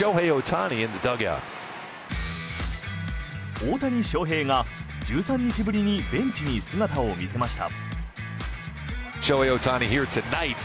大谷翔平が１３日ぶりにベンチに姿を見せました。